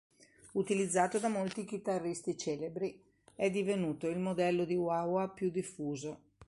Utilizzato da molti chitarristi celebri, è divenuto il modello di wah wah più diffuso.